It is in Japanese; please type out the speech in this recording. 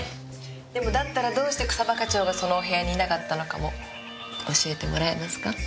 でもだったらどうして草葉課長がそのお部屋にいなかったのかも教えてもらえますか。